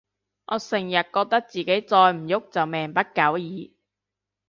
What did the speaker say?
我成日覺得自己再唔郁就命不久矣